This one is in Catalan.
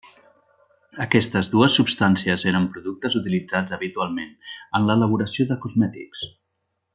Aquestes dues substàncies eren productes utilitzats habitualment en l'elaboració de cosmètics.